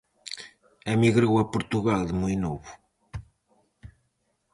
Emigrou a Portugal de moi novo.